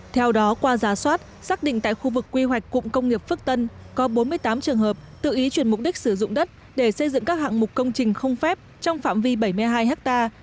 theo đó qua giá soát xác định tại khu vực quy hoạch cụm công nghiệp phước tân có bốn mươi tám trường hợp tự ý chuyển mục đích sử dụng đất để xây dựng các hạng mục công trình không phép trong phạm vi bảy mươi hai ha